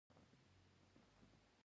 د زیړي د خارښ لپاره د څه شي اوبه وکاروم؟